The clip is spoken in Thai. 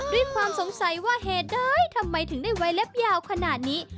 ด้วยความสงสัยว่าเหตุใดทำไมถึงได้ไว้เล็บยาวขนาดนี้